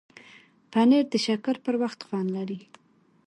پنېر د شکر پر وخت خوند لري.